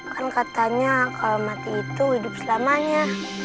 kan katanya kalau mati itu hidup selamanya